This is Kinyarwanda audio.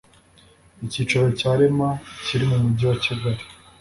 icyicaro cya rema kiri mu mujyi wa kigali